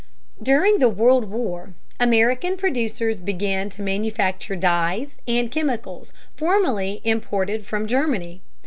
During the World War American producers began to manufacture dyes and chemicals formerly imported from Germany.